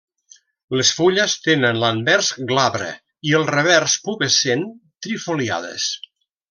Les fulles tenen l'anvers glabre i el revers pubescent, trifoliades.